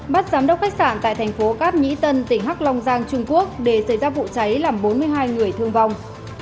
bắt giám đốc khách sạn tại thành phố cát mỹ tân tỉnh hắc long giang trung quốc để xảy ra vụ cháy làm bốn mươi hai người thương vong